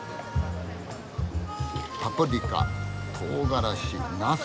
パプリカとうがらしナス。